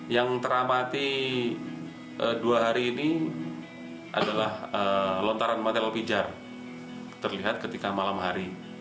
yang teramati dua hari ini adalah lontaran material pijar terlihat ketika malam hari